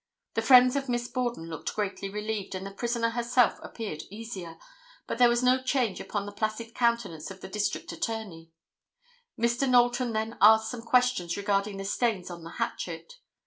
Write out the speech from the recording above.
The friends of Miss Borden looked greatly relieved and the prisoner herself appeared easier, but there was no change upon the placid countenance of the District Attorney. Mr. Knowlton then asked some questions regarding the stains on the hatchet.